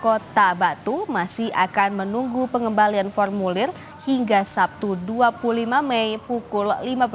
kota batu masih akan menunggu pengembalian formulir hingga sabtu dua puluh lima mei pukul lima belas